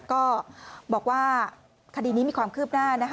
ก็บอกว่าคดีนี้มีความคืบหน้านะคะ